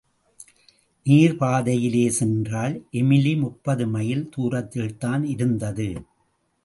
நேர் பாதையிலே சென்றால், எமிலி முப்பது மைல் தூரத்தில்தான் இருந்தது.